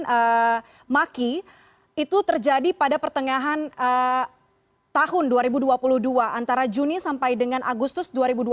di kawasan maki itu terjadi pada pertengahan tahun dua ribu dua puluh dua antara juni sampai dengan agustus dua ribu dua puluh